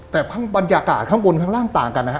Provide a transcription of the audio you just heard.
แต่บรรยากาศข้างบนข้างล่างต่างกันนะฮะ